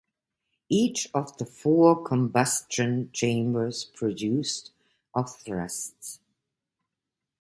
Each of the four combustion chambers produced of thrust.